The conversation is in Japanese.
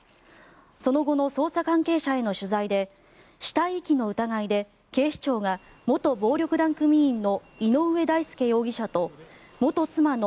その後の捜査関係者への取材で死体遺棄の疑いで、警視庁が元暴力団組員の井上大輔容疑者と元妻の